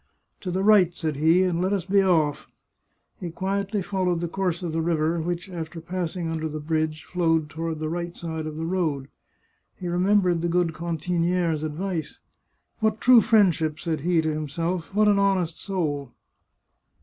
" To the right," said he, " and let us be off." He quietly followed the course of the river, which, after passing under the bridge, flowed toward the right side of the road. He remembered the good cantiniere's advice. " What true friendship !" said he to himself ;" what an honest soul